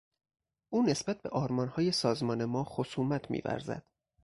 او نسبت به آرمانهای سازمان ما خصومت میورزد.